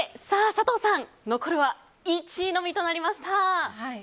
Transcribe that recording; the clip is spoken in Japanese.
佐藤さん、残るは１位のみとなりました。